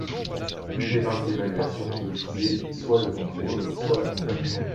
Toute démarche d'évaluation peut viser soit le contrôle, soit l'accompagnement.